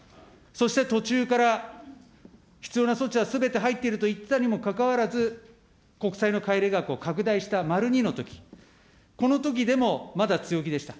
そして途中から、必要な措置はすべて入っていると言っていたにもかかわらず、国債の買い入れ額を拡大した丸２のとき、このときでも、まだ強気でした。